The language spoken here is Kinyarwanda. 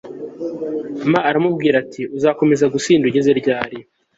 m aramubwira ati uzakomeza gusinda ugeze ryari